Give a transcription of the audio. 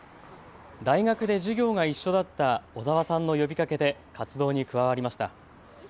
大学で授業が一緒だった小澤さんの呼びかけで活動に加わりました。